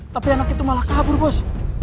tapi anak itu malah kabur bos